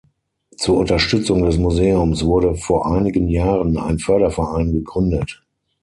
Zur Unterstützung des Museums wurde vor einigen Jahren ein Förderverein gegründet.